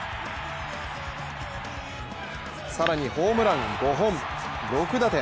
更にホームラン５本、６打点。